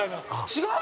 違う？